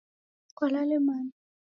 Kwalale mana?.